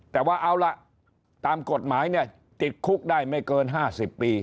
แต่ว่าเอาล่ะตามกฎหมายเนี่ยติดคุกได้ไม่เกิน๕๐ปี